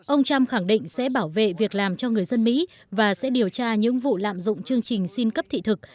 ông trump khẳng định sẽ bảo vệ việc làm cho người dân mỹ và sẽ điều tra những vụ lạm dụng chương trình xin cấp thị thực